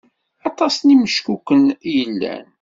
Aṭas n imeckuken i yellan.